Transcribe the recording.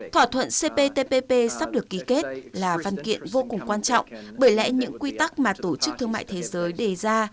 thỏa thuận cptpp sắp được ký kết là văn kiện vô cùng quan trọng bởi lẽ những quy tắc mà tổ chức thương mại thế giới đề ra